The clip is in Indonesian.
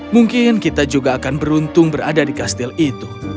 mungkin kita juga akan beruntung berada di kastil itu